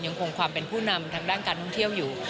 ยังคงความเป็นผู้นำทางด้านการท่องเที่ยวอยู่